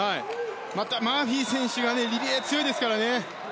マーフィー選手がリレーは強いですからね。